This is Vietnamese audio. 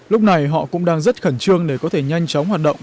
lúc này họ cũng đang rất khẩn trương để có thể nhanh chóng hoạt động